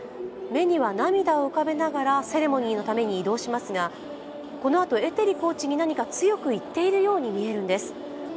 目には涙を浮かべながら、セレモニーのために移動しますがこのあと、エテリコーチに何か強く言っているように見えるんです。